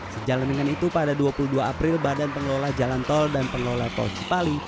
sejalan dengan itu pada dua puluh dua april badan pengelola jalan tol dan pengelola tol cipali